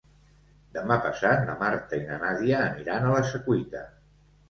Demà passat na Marta i na Nàdia aniran a la Secuita.